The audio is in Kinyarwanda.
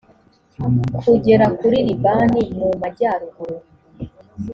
kugera kuri libani mu majyaruguru,